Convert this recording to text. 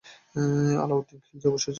আলাউদ্দিন খিলজি অবশ্যই ছিলেন।